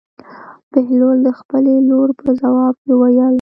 بهلول د خپلې لور په ځواب کې وویل.